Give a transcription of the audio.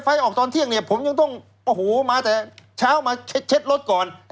ไฟออกตอนเที่ยงผมยังต้องมาแต่เช้ามาเช็ดรถก่อน